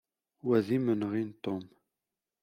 Wa d imenɣi n Tom.